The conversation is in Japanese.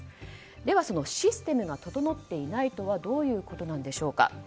では、そのシステムが整っていないとはどういうことなんでしょうか。